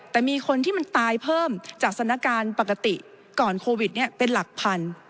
แต่มีคนที่มันตายเพิ่มจากสถานการณ์ปกติก่อนโควิดเป็นหลักพัน